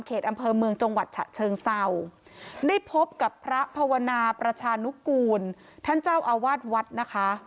อำเภอเมืองจังหวัดฉะเชิงเศร้าได้พบกับพระภาวนาประชานุกูลท่านเจ้าอาวาสวัดนะคะ